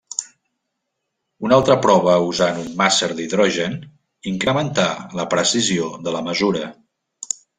Una altra prova usant un màser d'hidrogen incrementà la precisió de la mesura.